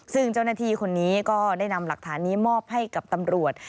ซึ่งเจ้าหน้าที่คนนี้ก็ได้นำหลักฐานนี้มอบให้กับตำรวจ